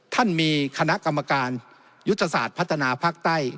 ท่านมีคณะกรรมการยุทธศาสตร์พัฒนาภาคใต้